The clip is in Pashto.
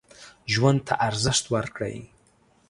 ژوند ته ارزښت ورکړئ.